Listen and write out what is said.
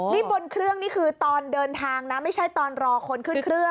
นี่บนเครื่องนี่คือตอนเดินทางนะไม่ใช่ตอนรอคนขึ้นเครื่อง